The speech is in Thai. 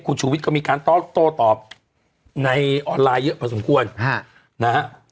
คุณชูวิทย์ก็มีการโต้ตอบในออนไลน์เยอะพอสมควรนะฮะ